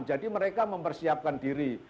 jadi mereka mempersiapkan diri